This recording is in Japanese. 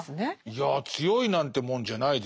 いや強いなんてもんじゃないですよ。